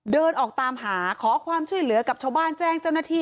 เดินออกตามหาขอความช่วยเหลือกับชาวบ้านแจ้งเจ้าหน้าที่